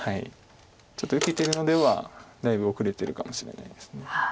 ちょっと受けてるのではだいぶ後れてるかもしれないです。